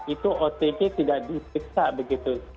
itu otg tidak diperiksa begitu